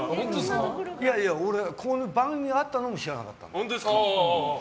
こういう番組があったのも知らなかったけど。